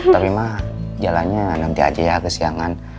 tapi mah jalannya nanti aja ya kesiangan